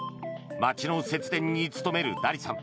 街の節電に努めるダリさん。